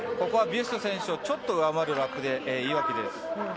ここはビュスト選手をちょっと上回るラップでいいわけです。